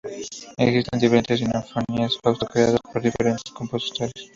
Existen diferentes sinfonías Fausto creadas por diferentes compositores.